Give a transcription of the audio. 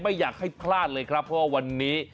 ไม่อยากให้พลาดเลยครับเพราะว่าวันนี้